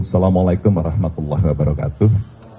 assalamu alaikum warahmatullahi wabarakatuh